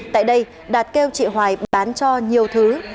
tại đây đạt kêu chị hoài bán cho nhiều thứ